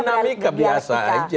dalam partai kan biasa